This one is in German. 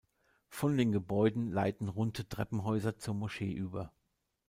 Von den Gebäuden leiten runde Treppenhäuser zur Moschee über.